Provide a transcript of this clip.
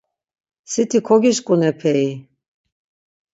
Siti kogişǩun epei!